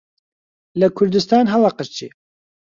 لە کوردستان هەڵئەقرچێ